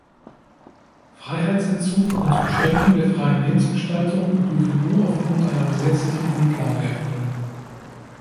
Freiheitsentzug und Beschränkung der freien Lebensgestaltung dürfen nur aufgrund einer gesetzlichen Grundlage erfolgen.